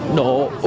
nó đổ từ từ